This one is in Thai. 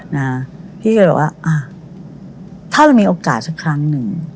นะฮะพี่ก็บอกว่าอ่าเท่าที่มีโอกาสทับครั้งหนึ่ง